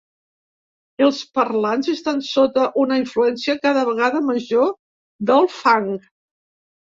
Els parlants estan sota una influència cada vegada major del Fang.